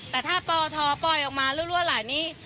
แต่ถ้าปทปล่อยออกมารั่วไหลนี้